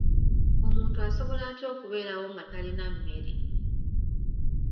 Omuntu asobola atya okubeerawo nga talina mmere?